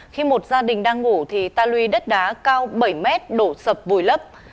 khi một gia đình đang ngủ ta lùi đất đá cao bảy m đổ sập vùi lấp